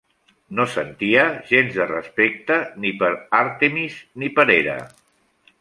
No sentia gens de respecte ni per Àrtemis ni per Hera.